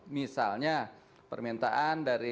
misalnya permintaan dari